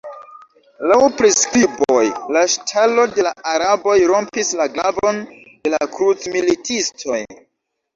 Laŭ priskriboj, la ŝtalo de la araboj rompis la glavon de la krucmilitistoj.